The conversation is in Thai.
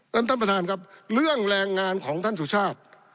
ท่านประธานครับเรื่องแรงงานของท่านสุชาติ